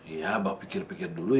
iya abah pikir pikir dulu ya